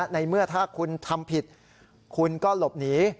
ในเมื่อถ้าคุณทำผิดคุณก็หลบหนี